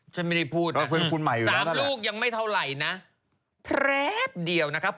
ฉันไม่ได้พูดนะ๓ลูกยังไม่เท่าไหร่นะแพรบเดียวนะครับ